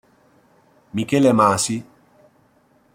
Michele Masi.